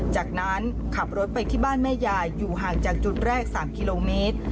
จากนั้นขับรถไปที่บ้านแม่ยายอยู่ห่างจากจุดแรก๓กิโลเมตร